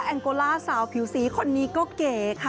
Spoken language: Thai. งโกล่าสาวผิวสีคนนี้ก็เก๋ค่ะ